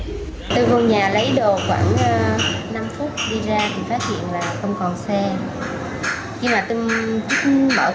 tôi vô nhà lấy đồ khoảng năm phút đi ra thì phát hiện là không còn xe